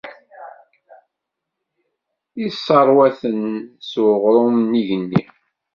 Isseṛwa-ten s uɣrum n yigenni.